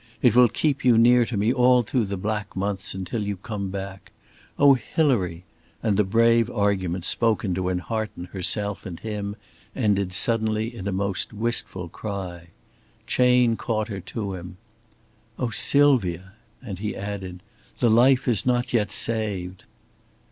It will keep you near to me all through the black months until you come back. Oh, Hilary!" and the brave argument spoken to enhearten herself and him ended suddenly in a most wistful cry. Chayne caught her to him. "Oh, Sylvia!" and he added: "The life is not yet saved!"